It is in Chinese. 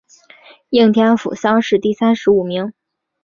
应天府乡试第三十五名。